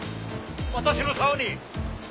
私の竿に！